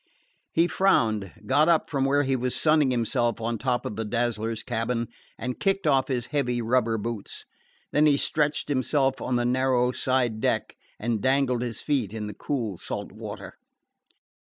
He frowned, got up from where he had been sunning himself on top of the Dazzler's cabin, and kicked off his heavy rubber boots. Then he stretched himself on the narrow side deck and dangled his feet in the cool salt water.